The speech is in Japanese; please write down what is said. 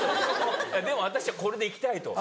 「でも私はこれでいきたい」と。